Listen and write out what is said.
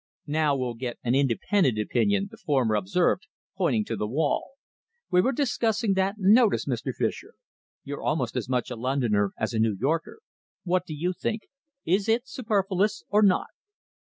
"Now we'll get an independent opinion," the former observed, pointing to the wall. "We were discussing that notice, Mr. Fischer. You're almost as much a Londoner as a New Yorker. What do you think? is it superfluous or not?"